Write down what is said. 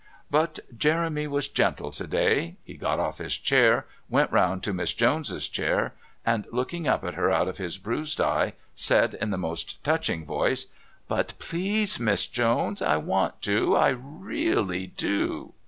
But Jeremy was gentle to day. He got off his chair, went round to Miss Jones's chair, and, looking up at her out of his bruised eye, said in the most touching voice: "But, please, Miss Jones, I want to. I really do."